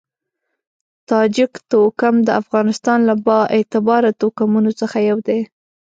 تاجک توکم د افغانستان له با اعتباره توکمونو څخه یو دی.